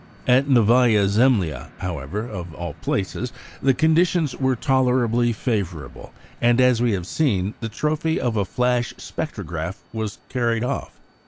At Novaya Zemlya, however, of all places, the conditions were tolerably favourable, and, as we have seen, the trophy of a "flash spectrograph" was carried off.